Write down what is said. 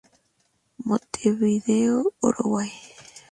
Montevideo, Uruguay.